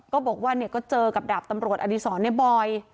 ก็บอกว่าเนี่ยก็เจอกับดาบตำรวจอดีศรในบอย